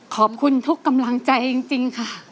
ขอบคุณทุกกำลังใจจริงค่ะ